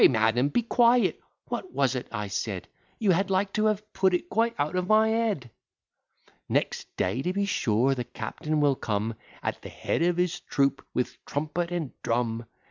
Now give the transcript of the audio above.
"Pray, madam, be quiet: what was it I said? You had like to have put it quite out of my head. Next day to be sure, the captain will come, At the head of his troop, with trumpet and drum.